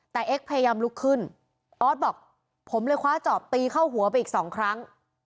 แต่เอ็กซ์พยายามลุกขึ้นออสบอกผมเลยคว้าจอบตีเข้าหัวไปอีกสองครั้ง